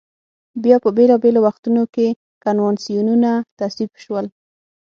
بیا په بېلا بېلو وختونو کې کنوانسیونونه تصویب شول.